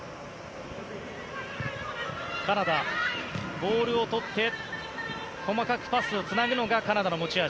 ボールをとって細かくパスをつなぐのカナダの持ち味。